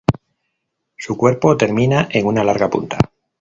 Su cuerpo termina en una larga punta.